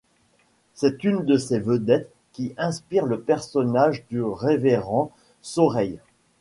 C'est une de ces vedettes qui inspire le personnage du révérend Saureilles.